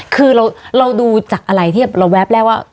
คือเราดูจากอะไรที่เราแวบแรกว่า